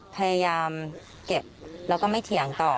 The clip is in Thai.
พยายามเก็บแล้วก็ไม่เถียงต่อ